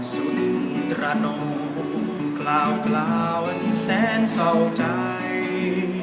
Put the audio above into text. สุนตระโนกลาวแสนเศร้าใจ